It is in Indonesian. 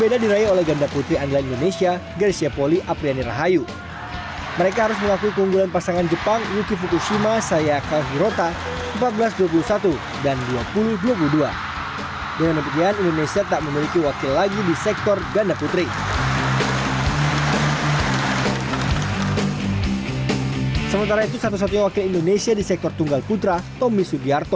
dan di bawah ini ganda putri yang lain ganda putri yang lain ganda putri yang lain ganda putri yang lain